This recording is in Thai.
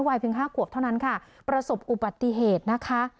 เพียง๕ขวบเท่านั้นค่ะประสบอุบัติเหตุนะคะ